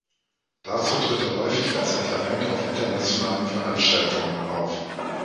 Dazu tritt er häufig als Referent auf internationalen Veranstaltungen auf.